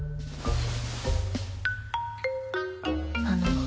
あの。